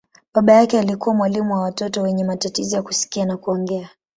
Baba yake alikuwa mwalimu wa watoto wenye matatizo ya kusikia na kuongea.